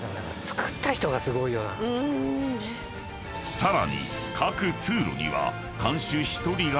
［さらに］